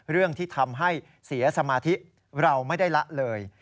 เรื่องที่ทำให้เสียสมาธิเราไม่ได้ละเลย